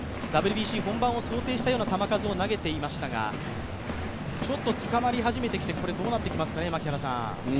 ＷＢＣ本番を想定したような球数を投げていましたがちょっとつかまり始めてきてどうなってきますかね？